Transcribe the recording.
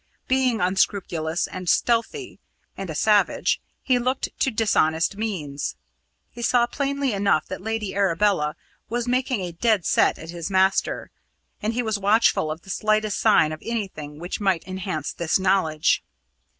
Being unscrupulous and stealthy and a savage he looked to dishonest means. He saw plainly enough that Lady Arabella was making a dead set at his master, and he was watchful of the slightest sign of anything which might enhance this knowledge.